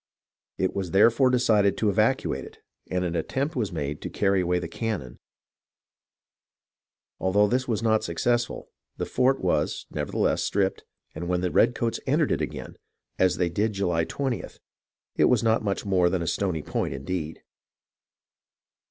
It was therefore decided to evacuate it, and an attempt was made to carry away the cannon. Although this was not successful, the fort was, nevertheless, stripped, and when the redcoats entered it again, as they did July 20th, it was not much more than a stony point indeed.